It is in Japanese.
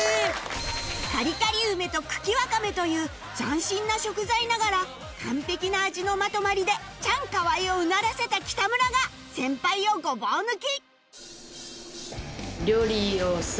カリカリ梅と茎わかめという斬新な食材ながら完璧な味のまとまりでチャンカワイをうならせた北村が先輩をごぼう抜き！